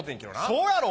そうやろう！